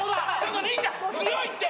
兄ちゃん強いって！